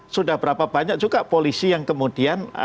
sudah berapa banyak juga polisi yang kemudian